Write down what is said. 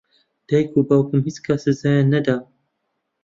دایک و باوکم هیچ کات سزایان نەدام.